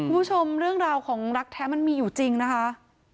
คุณผู้ชมเรื่องราวของรักแท้มันมีอยู่จริงนะคะ